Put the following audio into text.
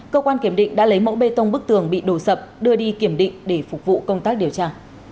cơ quan kiểm định đã lấy mẫu bê tông bức tường bị đổ sập đưa đi kiểm định để phục vụ công tác điều tra